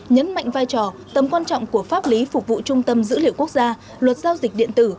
nhấn mạnh vai trò tầm quan trọng của pháp lý phục vụ trung tâm dữ liệu quốc gia luật giao dịch điện tử